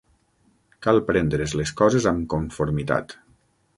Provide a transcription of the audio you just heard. Cal prendre's les coses amb conformitat.